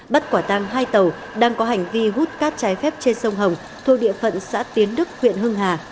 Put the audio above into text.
bắt quả tang hai tàu đang có hành vi hút cát trái phép trên sông hồng thuộc địa phận xã tiến đức huyện hưng hà